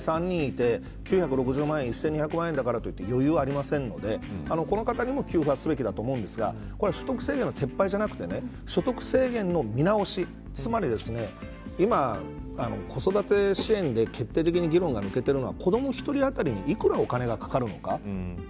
子ども２人、３人いて９６０万円、１２００万円だからといって余裕はないのでこの方でも給付はすべきだと思うんですがこれは所得制限の撤廃ではなくて所得制限の見直しつまり、今、子育て支援で決定的に議論が抜けてるのは子ども１人当たりに幾らお金がかかるのか。